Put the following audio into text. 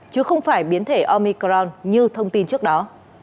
chứ không phải biến thể omicron như thông tin trước đó